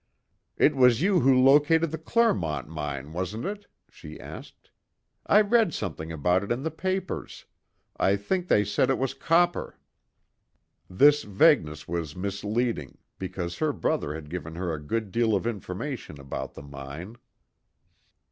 "It was you who located the Clermont mine, wasn't it?" she asked. "I read something about it in the papers; I think they said it was copper." This vagueness was misleading, because her brother had given her a good deal of information about the mine.